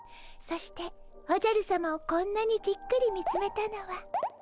そしておじゃるさまをこんなにじっくり見つめたのは。